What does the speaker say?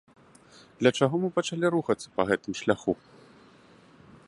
Для чаго мы пачалі рухацца па гэтым шляху?